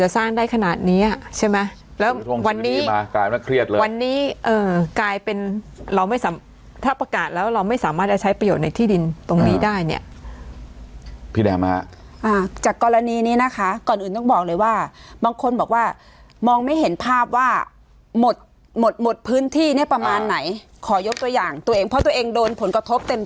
สร้างได้ขนาดเนี้ยใช่ไหมแล้ววันนี้มากลายว่าเครียดเลยวันนี้เอ่อกลายเป็นเราไม่สามารถถ้าประกาศแล้วเราไม่สามารถจะใช้ประโยชน์ในที่ดินตรงนี้ได้เนี่ยพี่แดมฮะอ่าจากกรณีนี้นะคะก่อนอื่นต้องบอกเลยว่าบางคนบอกว่ามองไม่เห็นภาพว่าหมดหมดหมดพื้นที่เนี่ยประมาณไหนขอยกตัวอย่างตัวเองเพราะตัวเองโดนผลกระทบเต็ม